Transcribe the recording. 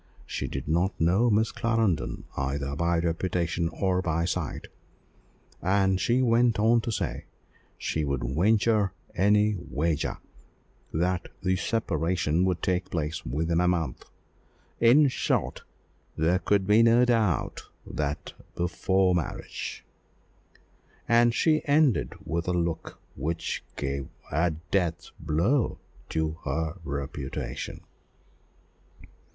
She did not know Miss Clarendon either by reputation or by sight; and she went on to say, she would "venture any wager that the separation would take place within a month. In short, there could be no doubt that before marriage," and she ended with a look which gave a death blow to the reputation.